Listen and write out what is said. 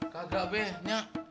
kagak be nya